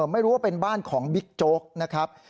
ไม่รู้ว่าเป็นบ้านของบิ๊กโจ๊กนะครับ